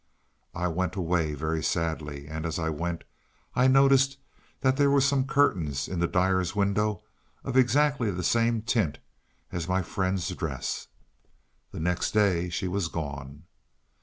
I went away very sadly, and, as I went, I noticed that there were some curtains in the dyer's window of exactly the same tint as my friend's dress. The next day she was gone.